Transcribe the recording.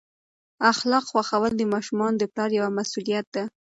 اخلاق ښوول د ماشومانو د پلار یوه مسؤلیت ده.